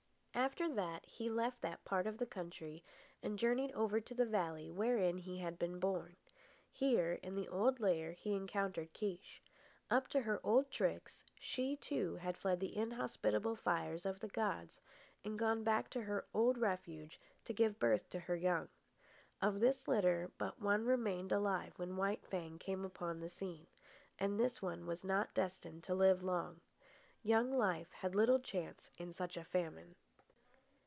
After that he left that part of the country and journeyed over to the valley wherein he had been born. Here, in the old lair, he encountered Kiche. Up to her old tricks, she, too, had fled the inhospitable fires of the gods and gone back to her old refuge to give birth to her young. Of this litter but one remained alive when White Fang came upon the scene, and this one was not destined to live long. Young life had little chance in such a famine.